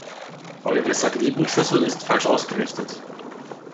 Eure Satellitenschüssel ist falsch ausgerichtet.